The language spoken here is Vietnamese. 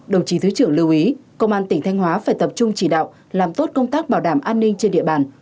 đồng chí thứ trưởng lưu ý công an tỉnh thanh hóa phải tập trung chỉ đạo làm tốt công tác bảo đảm an ninh trên địa bàn